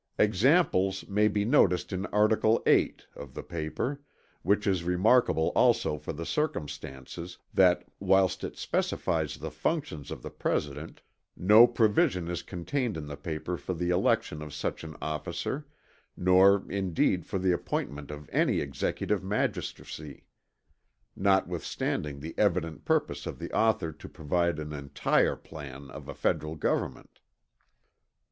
"Examples may be noticed in Article VIII. of the paper; which is remarkable also for the circumstance, that whilst it specifies the functions of the President, no provision is contained in the paper for the election of such an officer, nor indeed for the appointment of any Executive Magistracy: notwithstanding the evident purpose of the Author to provide an entire plan of a Federal Government.